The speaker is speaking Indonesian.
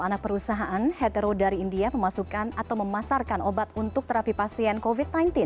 anak perusahaan hetero dari india memasukkan atau memasarkan obat untuk terapi pasien covid sembilan belas